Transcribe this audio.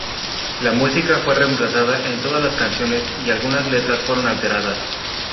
La música fue reemplazada en todas las canciones, y algunas letras fueron alteradas.